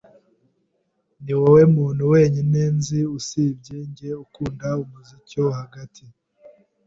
Niwowe muntu wenyine nzi usibye njye ukunda umuziki wo hagati.